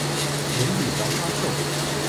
人比黄花瘦